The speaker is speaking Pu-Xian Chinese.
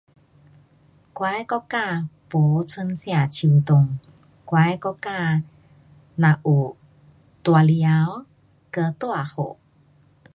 我的国家没春夏秋冬,我的国家只有大太阳跟大雨。